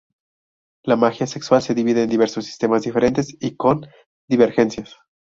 La magia sexual se divide en diversos sistemas diferentes y con divergencias.